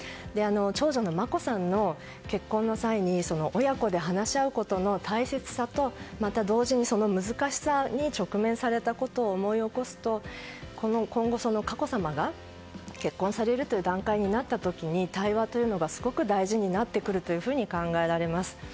長女の眞子さんの結婚の際に親子で話し合うことの大切さとまた同時に難しさに直面されたことを思い起こすと今後、佳子さまが結婚される段階になった時に対話というのがすごく大事になってくると考えられます。